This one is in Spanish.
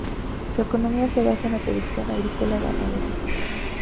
Su economía se basa en la producción agrícola-ganadera.